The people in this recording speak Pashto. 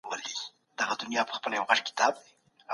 تاسي په خپلو لاسونو کي جراثیم نه پرېږدئ.